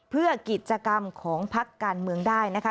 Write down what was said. เพื่อกิจกรรมของพักการเมืองได้นะคะ